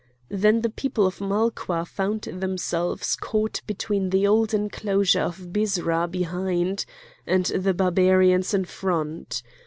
Then the people of Malqua found themselves caught between the old enclosure of Byrsa behind, and the Barbarians in front.